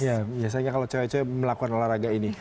iya biasanya kalau cewek cewek melakukan olahraga ini